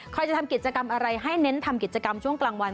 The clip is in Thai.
จะทำกิจกรรมอะไรให้เน้นทำกิจกรรมช่วงกลางวัน